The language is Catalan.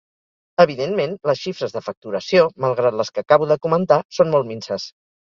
Evidentment, les xifres de facturació –malgrat les que acabo de comentar– són molt minses.